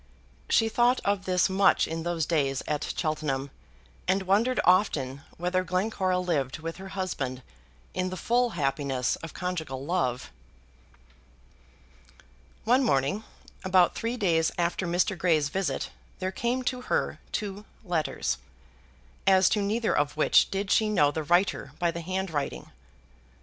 She thought of this much in those days at Cheltenham, and wondered often whether Glencora lived with her husband in the full happiness of conjugal love. One morning, about three days after Mr. Grey's visit, there came to her two letters, as to neither of which did she know the writer by the handwriting.